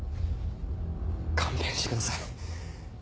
勘弁してください。